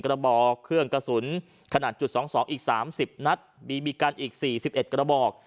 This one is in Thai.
กระบอกเครื่องกระสุนขนาดจุด๒๒อีก๓๐นัดบีบีกันอีก๔๑กระบอก